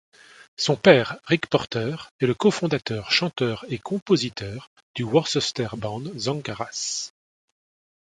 Son père, Ric Porter est le co-fondateur, chanteur et compositeur du Worcester Band Zonkaraz.